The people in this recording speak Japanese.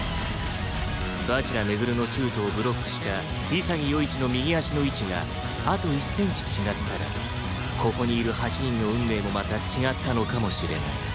蜂楽廻のシュートをブロックした潔世一の右足の位置があと１センチ違ったらここにいる８人の運命もまた違ったのかもしれない